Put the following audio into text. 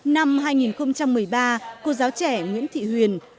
năm hai nghìn một mươi ba cô giáo trẻ nguyễn thị huyền